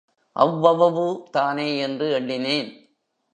அவ்வவவு தானே என்று எண்ணினேன்.